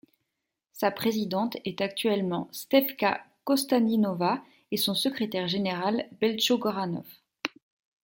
Sa présidente est actuellement Stefka Kostadinova et son secrétaire général Belcho Goranov.